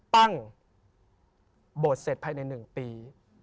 ปั้งโบสถ์เสร็จภายในหนึ่งปี